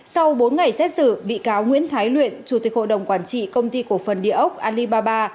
sau bốn ngày xét xử bị cáo nguyễn thái luyện chủ tịch hội đồng quản trị công ty cổ phần địa ốc alibaba